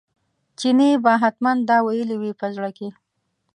چیني به حتمي دا ویلي وي په زړه کې.